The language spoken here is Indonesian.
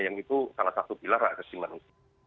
yang itu salah satu pilar hak asasi manusia